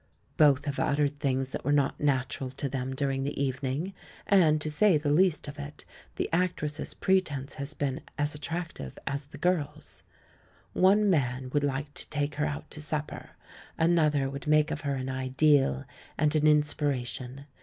Both have uttered things that were not natural to them during the evening; and, to say the least of it, the actress's pretence has been as attractive as the girl's. One man would like to take her out to supper; another would make of her an ideal and an inspiration.